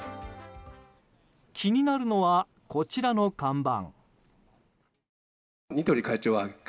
気になるのはこちらの看板。